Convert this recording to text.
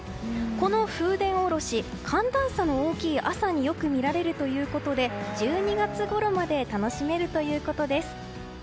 この風伝おろし寒暖差の大きい朝によく見られるということで１２月ごろまで楽しめるということです。